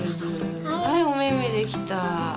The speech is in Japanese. はいおめめできた。